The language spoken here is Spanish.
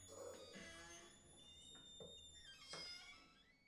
Cuando regresó para practicar en Hungría se unió al Gremio de Feministas.